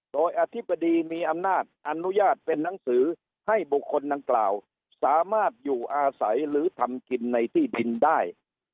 โดยอธิบดีมีอำนาจอนุญาตเป็นนังสือให้บุคคลดังกล่าวสามารถอยู่อาศัยหรือทำกินในที่ดินได้